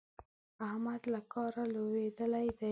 احمد له کاره لوېدلی دی.